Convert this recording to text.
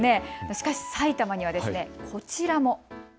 しかし埼玉にはこちらも。